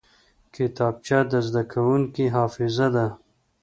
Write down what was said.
کتابچه د زده کوونکي حافظه ده